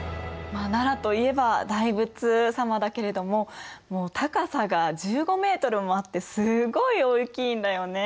まあ奈良といえば大仏様だけれどももう高さが１５ｍもあってすごい大きいんだよね。